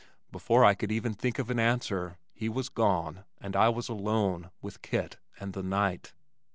Before I could even think of an answer, he was gone and I was alone with Kit and the night.